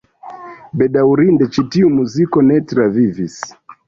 Bedaŭrinde ĉi tiu muziko ne travivis.